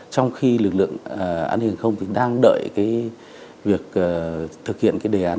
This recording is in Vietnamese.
trong khi lực lượng an ninh hàng không thì đang đợi cái việc thực hiện cái đề án